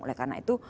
oleh karena itu